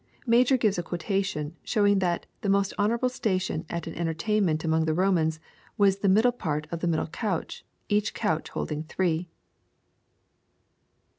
Major gives a quota tion, showing that " the most honorable station at an entertain ment among the Romans, was the middle part of the middle couch, each couch holding three."